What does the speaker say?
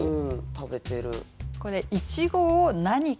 食べてる。